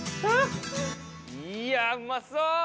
いやうまそう！